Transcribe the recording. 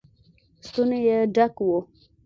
ستونی يې ډک و.